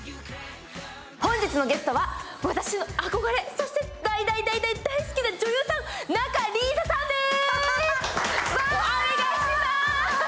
本日のゲストは私の憧れ、そして大大大好きな女優さん、仲里依紗さんです。